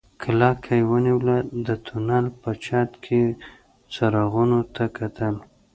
کلکه يې ونيوله د تونل په چت کې څراغونو ته کتل.